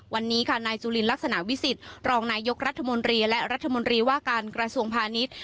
วันนี้ค่ะนายจุลินลักษณะวิสิทธิ์รองนายยกรัฐมนตรีและรัฐมนตรีว่าการกระทรวงพาณิชย์